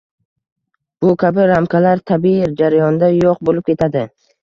Bu kabi ramkalar tabiiy jarayonda yoʻq boʻlib ketadi.